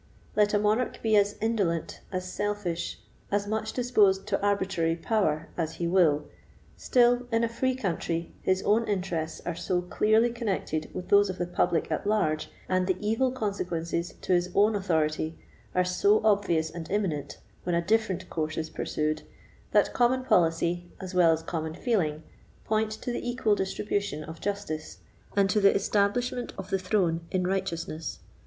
Let a monarch be as indolent, as selfish, as much disposed to arbitrary power as he will, still, in a free country, his own interests are so clearly connected with those of the public at large, and the evil consequences to his own authority are so obvious and imminent when a different course is pursued, that common policy, as well as common feeling, point to the equal distribution of justice, and to the establishment of the throne in righteousness.